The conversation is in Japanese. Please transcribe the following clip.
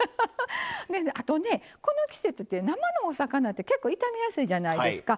あと、この季節って生のお魚って結構、傷みやすいじゃないですか。